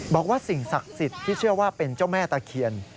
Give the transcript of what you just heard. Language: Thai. บอกว่าสิ่งศักดิ์สิทธิ์ที่เชื่อว่าเป็นเจ้าแม่ตะเคียน